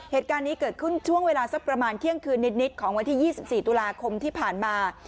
เหตุการณ์นี้เกิดขึ้นช่วงเวลาสักประมาณเที่ยงคืนนิดของวันที่๒๔ตุลาคมที่ผ่านมา